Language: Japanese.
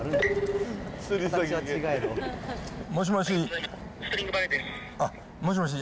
もしもし。